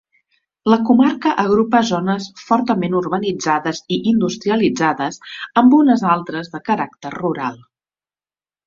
La comarca agrupa zones fortament urbanitzades i industrialitzades amb unes altres de caràcter rural.